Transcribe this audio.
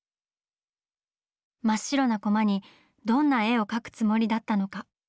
真っ白なコマにどんな絵を描くつもりだったのか。